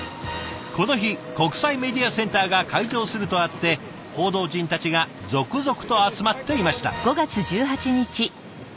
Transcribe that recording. この日国際メディアセンターが開場するとあって報道陣たちが続々と集まっていました。